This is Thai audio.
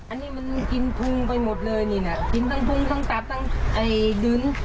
อันนี้มันกินพุงไปหมดเลยนี่น่ะกินทั้งพุงทั้งตับทั้งไอ้ดิน